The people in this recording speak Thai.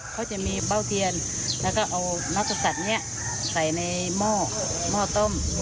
เขาจะมีเบ้าเทียนแล้วก็เอานักกษัตริย์นี้ใส่ในหม้อต้ม